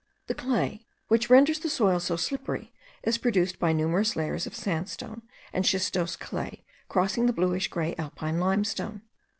The clay, which renders the soil so slippery, is produced by the numerous layers of sandstone and schistose clay crossing the bluish grey alpine limestone.